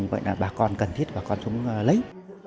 vậy là bà con cần thiết bà con chúng lấy